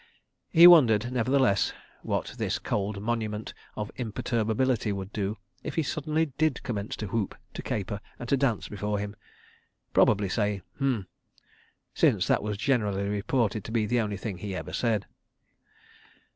He wondered, nevertheless, what this cold monument of imperturbability would do if he suddenly did commence to whoop, to caper and to dance before him. Probably say "H'm!"—since that was generally reported to be the only thing he ever said.